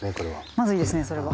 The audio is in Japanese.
まずいですねそれは。